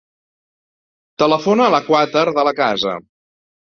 Telefona a la Kawtar De La Casa.